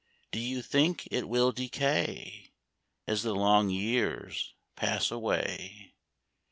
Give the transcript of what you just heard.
Do you think it will decay As the long years pass away